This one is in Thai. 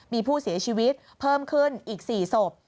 มีผู้เสียชีวิตเพิ่มขึ้นอีก๔ศพ